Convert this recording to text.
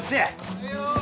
はいよ！